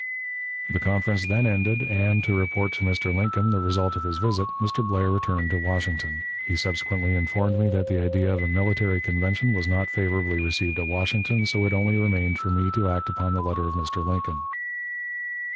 The conference then ended, and, to report to Mr. Lincoln the result of his visit, Mr. Blair returned to Washington. He subsequently informed me that the idea of a military convention was not favorably received at Washington, so it only remained for me to act upon the letter of Mr. Lincoln.